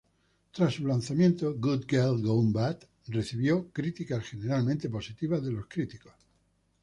Tras su lanzamiento, "Good Girl Gone Bad" recibió críticas generalmente positivas de los críticos.